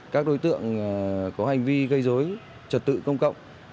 các đối tượng có hành vi gây dối trật tự công cộng